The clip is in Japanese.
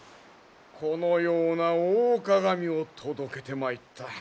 このような大鏡を届けてまいった。